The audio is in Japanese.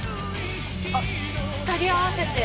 あっ２人合わせて。